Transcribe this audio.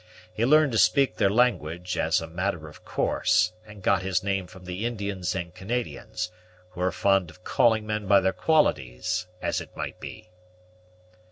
He learned to speak their language, as a matter of course, and got his name from the Indians and Canadians, who are fond of calling men by their qualities, as it might be."